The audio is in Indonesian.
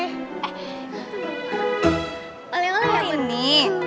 eh oleh oleh ini